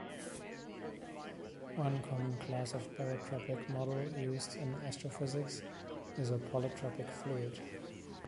One common class of barotropic model used in astrophysics is a polytropic fluid.